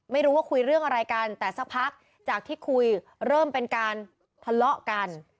ไม่รู้ว่าคุยเรื่องอะไรกันแต่สักพักจากที่คุยเริ่มเป็นการทะเลาะกัน